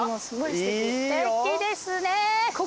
すてきですね。